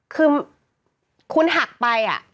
คือคุณหักไป